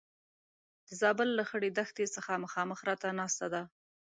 د زابل له خړې دښتې څخه مخامخ راته ناسته ده.